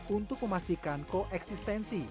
untuk memastikan koeksistensi